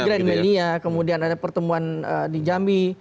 grand media kemudian ada pertemuan di jambi